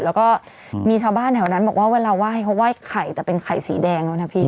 แล้วก็มีชาวบ้านแถวนั้นบอกว่าเวลาไหว้เขาไหว้ไข่แต่เป็นไข่สีแดงแล้วนะพี่